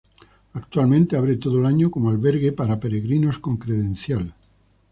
Actualmente abre todo el año como albergue para peregrinos con credencial.